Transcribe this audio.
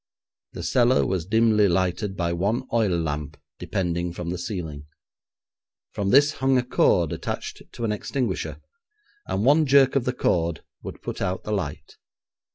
The cellar was dimly lighted by one oil lamp depending from the ceiling. From this hung a cord attached to an extinguisher, and one jerk of the cord would put out the light.